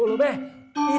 terima kasih tini